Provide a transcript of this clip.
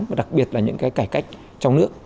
và đặc biệt là những cái cải cách trong nước